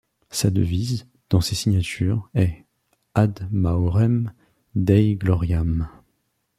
Sa devise, dans ses signatures, est: Ad maiorem Dei gloriam.